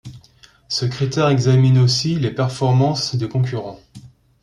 Ce critère examine aussi les performances des concurrents.